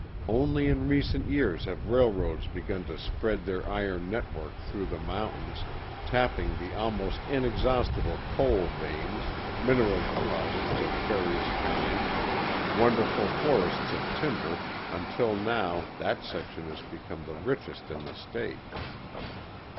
Only in recent years have railroads begun to spread their iron network through the mountains, tapping the almost inexhaustible coal veins, mineral deposits of various kinds, wonderful forests of timber, until now that section is become the richest in the State.